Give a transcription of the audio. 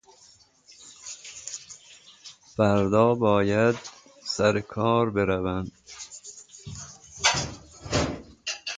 دولت را سرازیر کرد